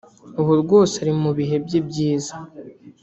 ubu rwose ari mu bihe bye byiza